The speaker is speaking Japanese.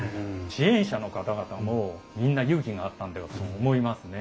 支援者の方々もみんな勇気があったんだと思いますね。